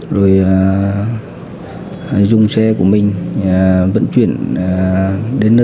rồi dùng xe của mình vận chuyển đến nơi